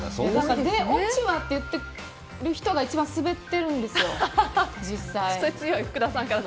で、オチは？って言ってる人が一番スベってるんですよ、実際。